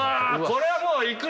これはもういく理由